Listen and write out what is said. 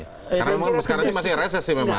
karena sekarang masih reses sih memang